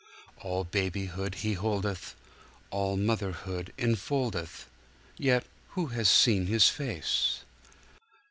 All babyhood he holdeth, All motherhood enfoldeth— Yet who hath seen his face?